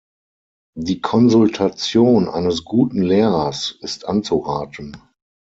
Die Konsultation eines guten Lehrers ist anzuraten.